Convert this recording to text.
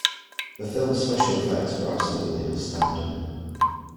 The film's special effects were absolutely outstanding.